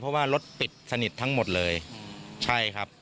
เพราะว่ารถปิดสนิททั้งหมดเลยใช่ครับ